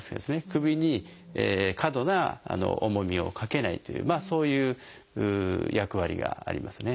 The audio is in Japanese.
首に過度な重みをかけないというそういう役割がありますね。